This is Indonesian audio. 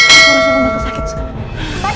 aku rasa aku bakal sakit sekarang